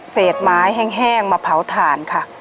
เศษไม้แห้งมาเผาถ่านค่ะ